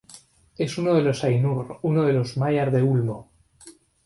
Es uno de los Ainur, uno de los Maiar de Ulmo.